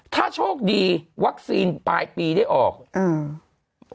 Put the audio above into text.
ถ้าโชคดีวัคซีนปลายปีได้ออกอืม